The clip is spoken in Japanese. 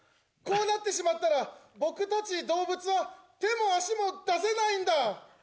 こうなってしまったら僕たち動物は手も足も出せないんだ。